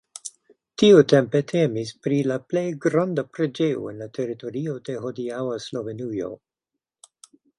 Tiutempe temis pri la plej granda preĝejo en la teritorio de hodiaŭa Slovenujo.